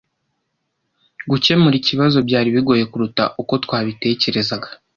Gukemura ikibazo byari bigoye kuruta uko twabitekerezaga.